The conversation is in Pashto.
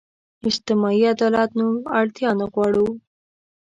اجتماعي عدالت نوم اړتیا نه غواړو.